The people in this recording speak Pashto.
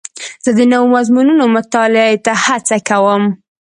زه د نوو مضمونونو مطالعې ته هڅه کوم.